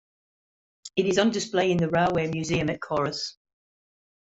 It is on display in the railway museum at Corris.